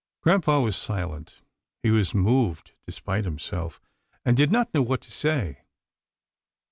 Grampa was silent. He was moved despite him self, and did not know what to say.